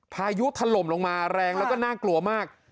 พายุถล่มลงมาแรงแล้วก็น่ากลัวมาก